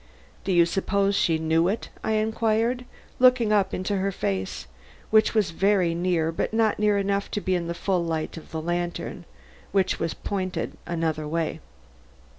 "Do you suppose she knew it?" I inquired, looking up into her face, which was very near but not near enough to be in the full light of the lantern, which was pointed another way.